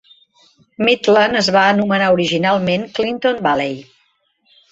Midland es va anomenar originalment Clinton Valley.